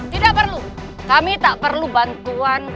tidak perlu kami tak perlu bantuan